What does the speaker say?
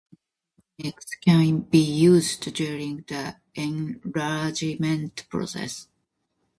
Many different techniques can be used during the enlargement process.